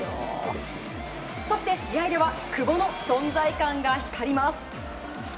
そして試合では久保の存在感が光ります。